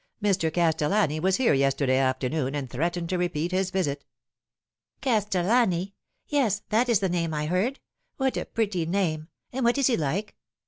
" Mr. Castellani was here yesterday afternoon, and threatened to repeat his visit." " Castellani ! Yes, that is the name I heard. What a pretty name 1 And what is he like